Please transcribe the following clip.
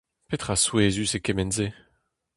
Petra souezhus e kement-se ?